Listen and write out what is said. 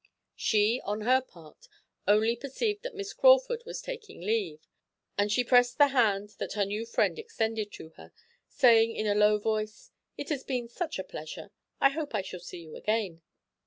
She, on her part, only perceived that Miss Crawford was taking leave, and she pressed the hand that her new friend extended to her, saying in a low voice: "It has been such a pleasure I hope I shall see you again."